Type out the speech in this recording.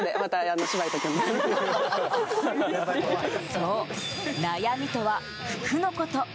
そう、悩みとは服のこと。